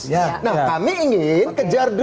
nah kami ingin kejar